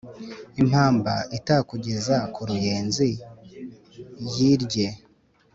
impamba itakugeza kuruyenzi yi rye